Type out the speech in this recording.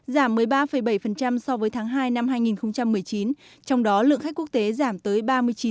giảm một mươi ba bảy so với tháng hai năm hai nghìn một mươi chín trong đó lượng khách quốc tế giảm tới ba mươi chín